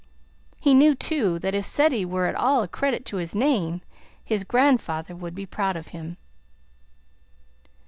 He knew, too, that if Ceddie were at all a credit to his name, his grandfather would be proud of him.